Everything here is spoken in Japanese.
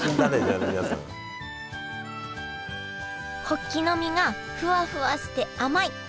ホッキの身がフワフワして甘い。